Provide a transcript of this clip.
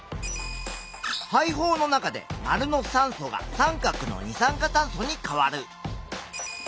肺胞の中で●の酸素が▲の二酸化炭素に変わる。